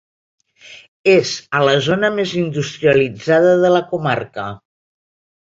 És a la zona més industrialitzada de la comarca.